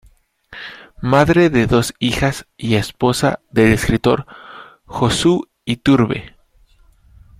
Madre de dos hijas y esposa del escritor Josu Iturbe.